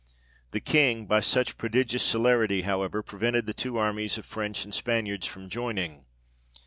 The King, by such prodigious celerity, however, prevented the two armies of French and Spaniards from joining.